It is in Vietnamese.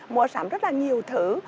mua sắm rất là nhiều thứ